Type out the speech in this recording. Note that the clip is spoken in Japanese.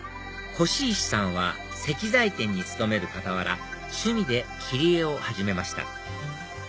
輿石さんは石材店に勤める傍ら趣味で切り絵を始めました